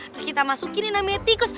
terus kita masukinin namanya tikus